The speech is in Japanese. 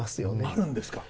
あるんですか？